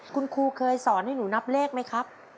คุณครูเคยสอนให้หนูนับเลขไหมครับ